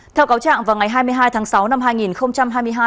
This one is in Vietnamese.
theo cáo trạng vào ngày hai mươi hai tháng sáu năm hai nghìn hai mươi hai